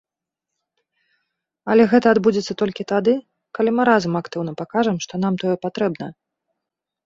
Але гэта адбудзецца толькі тады, калі мы разам актыўна пакажам, што нам тое патрэбна.